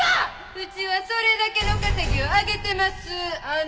うちはそれだけの稼ぎを上げてますあんたと違うて。